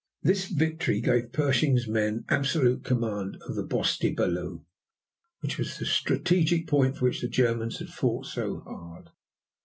This victory gave Pershing's men absolute command of the Bois de Belleau, which was the strategic point for which the Germans had fought so hard.